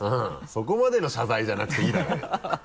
そこまでの謝罪じゃなくていいだろうよ。